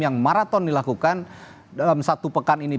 yang maraton dilakukan dalam satu pekan ini